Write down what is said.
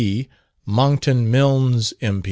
P., Monckton Milnes, M.